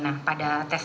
nah pada tes